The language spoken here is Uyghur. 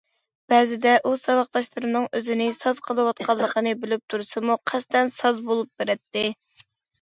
بەزىدە ئۇ ساۋاقداشلىرىنىڭ ئۆزىنى ساز قىلىۋاتقانلىقىنى بىلىپ تۇرسىمۇ قەستەن ساز بولۇپ بېرەتتى.